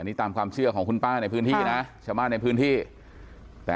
นี่ตามความเชื่อของคุณป้าในพื้นที่นะชาวบ้านในพื้นที่แต่